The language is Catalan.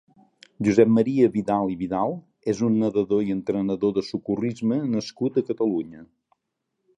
Josep Maria Vidal Vidal és un nedador i entrenador de socorrisme nascut a Catalunya.